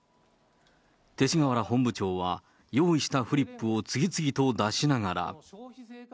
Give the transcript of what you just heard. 勅使河原本部長は、用意したフリップを次々と出しながら。